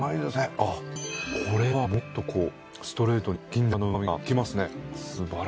あっこれはもっとこうストレートに銀鱈の旨みがきますね。